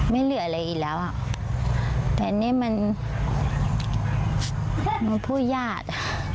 ไม่เหลืออะไรอีกแล้วแต่นี่มันมันผู้ญาติ